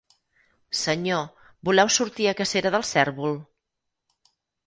Senyor, voleu sortir a cacera del cèrvol?